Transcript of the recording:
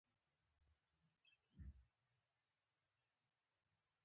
د قوي بنسټي جلا کېدنې په پایله کې اروپا په مسیر ور سمه کړه.